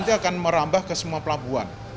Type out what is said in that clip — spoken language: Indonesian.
nah ini akan menerbitkan ke semua pelabuhan